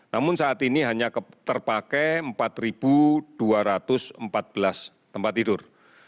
namun saat ini hanya terpakai empat dua ratus empat belas tempat tidur